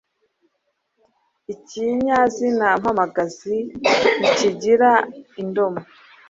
Ikinyazina mpamagazi ntikigira indomo,